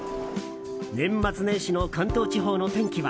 年末年始の関東地方の天気は？